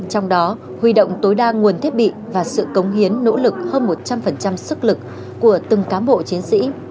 trong đó huy động tối đa nguồn thiết bị và sự cống hiến nỗ lực hơn một trăm linh sức lực của từng cám bộ chiến sĩ